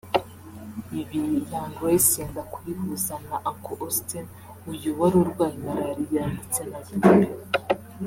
Ibi Young Grace yenda kubihuza na Uncle Austin uyu wari urwaye malariya ndetse na Grippes